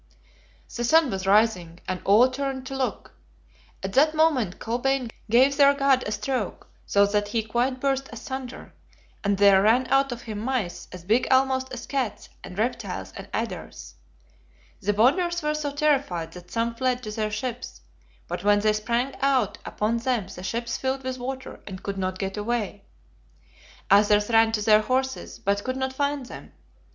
"The sun was rising, and all turned to look. At that moment Kolbein gave their God a stroke, so that he quite burst asunder; and there ran out of him mice as big almost as cats, and reptiles and adders. The Bonders were so terrified that some fled to their ships; but when they sprang out upon them the ships filled with water, and could not get away. Others ran to their horses, but could not find them.